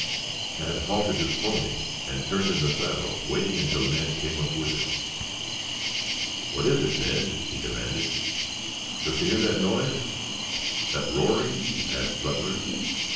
Tad halted his pony and turned in the saddle waiting until Ned came up with him. "What is it, Ned?" he demanded. "Don't you hear that noise?" "That roaring?" asked Butler.